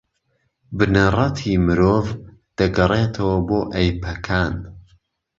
بنەڕەتی مرۆڤ دەگەڕێتەوە بۆ ئەیپەکان